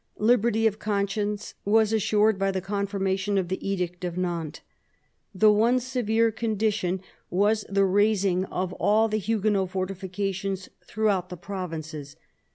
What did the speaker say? Liberty of conscience was assured by the confirmation of the Edict of Nantes. The one severe condition was the razing of all the Huguenot fortifications throughout the provinces.